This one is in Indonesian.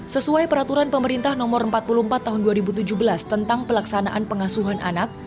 sesuai peraturan pemerintah nomor empat puluh empat tahun dua ribu tujuh belas tentang pelaksanaan pengasuhan anak